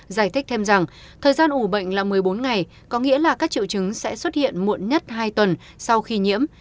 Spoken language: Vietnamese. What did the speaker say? giải thích thêm rằng thời gian ủ bệnh là một mươi bốn ngày có nghĩa là các triệu chứng sẽ xuất hiện muộn nhất hai tuần sau khi nhiễm